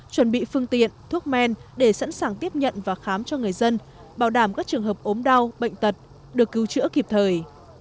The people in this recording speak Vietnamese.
chuẩn bị phương tiện thuốc men để sẵn sàng tiếp nhận và khám cho người dân bảo đảm các trường hợp ốm đau bệnh tật được cứu chữa kịp thời